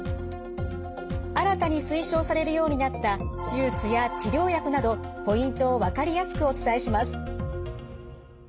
新たに推奨されるようになった手術や治療薬などポイントを分かりやすくお伝えします。